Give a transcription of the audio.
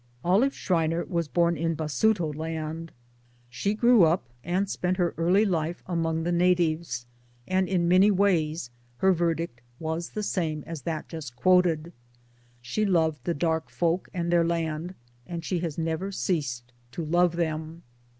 '* Olive Schreiner was born in Basuto Land. She 230 MY DAYS AND DREAMS grew up and spent her early life among the natives, and in many ways her verdict was the same as that just quoted. She loved the dark' folk and their land, and she has never ceased 1 to love them.